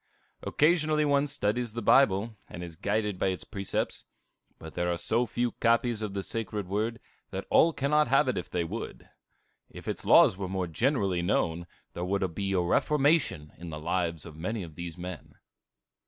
Occasionally one studies the Bible, and is guided by its precepts; but there are so few copies of the sacred Word, that all cannot have it if they would. If its laws were more generally known, there would be a reformation in the lives of many of these men.